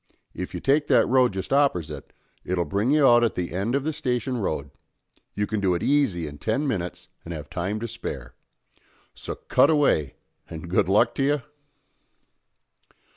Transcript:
If you take that road just oppersite, it'll bring you out at the end of the Station Road; you can do it easy in ten minnits and have time to spare. So cut away, and good luck to you?"